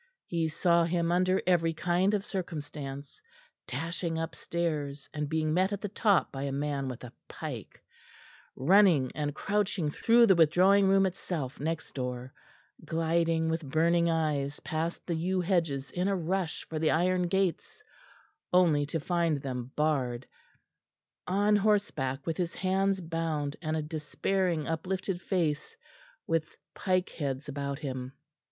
He saw him under every kind of circumstance dashing up stairs and being met at the top by a man with a pike running and crouching through the withdrawing room itself next door gliding with burning eyes past the yew hedges in a rush for the iron gates, only to find them barred on horseback with his hands bound and a despairing uplifted face with pike heads about him.